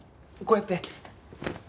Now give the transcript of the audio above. こうやって。